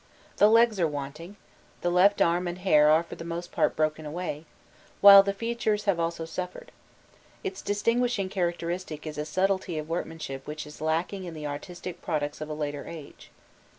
The legs are wanting, the left arm and the hair are for the most part broken away, while the features have also suffered; its distinguishing characteristic is a sublety of workmanship which is lacking in the artistic products of a later age.